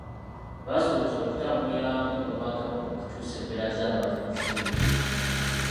Basuubiza okutambulira awamu n’Obwakabaka okukyusa embeera z’abantu mu kitundu kino.